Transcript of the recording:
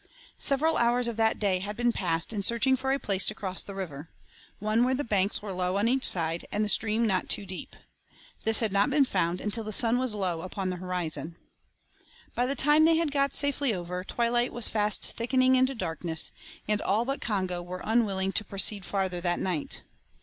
Several hours of that day had been passed in searching for a place to cross the river, one where the banks were low on each side, and the stream not too deep. This had not been found until the sun was low down upon the horizon. By the time they had got safely over, twilight was fast thickening into darkness, and all but Congo were unwilling to proceed farther that night.